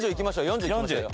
４０いきましょうよ。